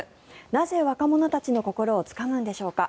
なぜ若者たちの心をつかむんでしょうか。